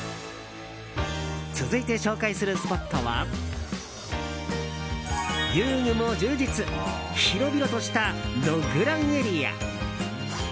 続いて紹介するスポットは遊具も充実広々としたドッグランエリア。